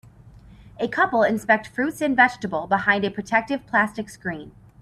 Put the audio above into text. A couple inspect fruits and vegetable behind a protective plastic screen.